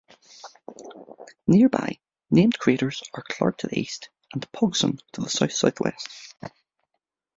Nearby named craters are Clark to the east, and Pogson to the south-southwest.